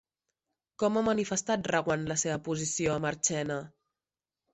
Com ha manifestat Reguant la seva posició a Marchena?